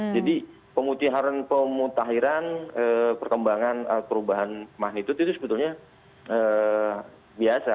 jadi pemutiharan pemutahiran perkembangan perubahan magnitudo itu sebetulnya biasa